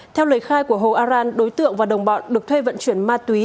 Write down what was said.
theo lời khai của hồ aran đối tượng và đồng bọn được thuê vận chuyển ma túy